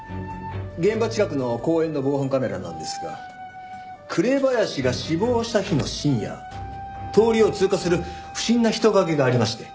現場近くの公園の防犯カメラなんですが紅林が死亡した日の深夜通りを通過する不審な人影がありまして。